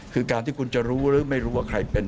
คือการที่คุณจะรู้หรือไม่รู้ว่าใครเป็น